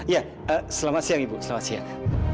ya selamat siang ibu selamat siang